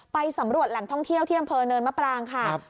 ไปสำรวจแหล่งท่องเที่ยวที่อำเภอเนินมะปรางค่ะ